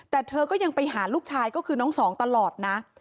แต่เธอก็ยังไปหาลูกชายก็คือน้องสองตลอดนะ